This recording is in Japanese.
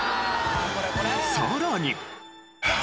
さらに。